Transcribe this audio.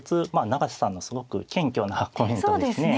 永瀬さんのすごく謙虚なコメントですね。